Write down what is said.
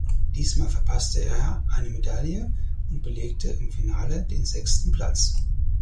Diesmal verpasste er eine Medaille und belegte im Finale den sechsten Platz.